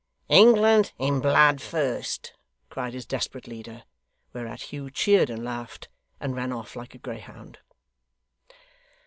'England in blood first!' cried his desperate leader. Whereat Hugh cheered and laughed, and ran off like a greyhound.